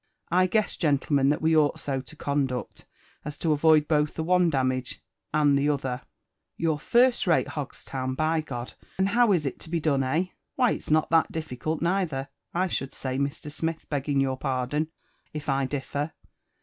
I guess, gentlemen, that we ought so to conduct, as to avoid bolh the one damage and the t'other." " You're first rate, Hogstown, by G— d ! And how is it to be done, eh r "Why it's not that difficult neither, I should say, Mr. Smith, begging your pardon if I dilTer.